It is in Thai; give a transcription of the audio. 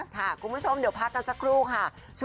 คุณผู้ชมเดี๋ยวพักกันสักครู่ค่ะ